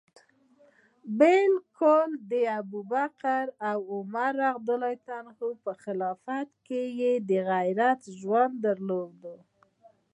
بلکه د ابوبکر او عمر رض په خلافت کي یې د عزت ژوند درلود.